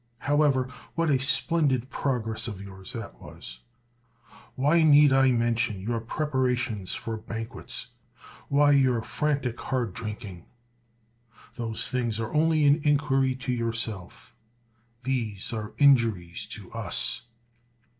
However, what a splendid progress of yours that was ! Why need I men tion your preparations for banquets, why your frantic hard drinking f Those things are only an injury to yourself ; these are injuries to us.